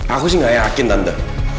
aku sih gak yakin tante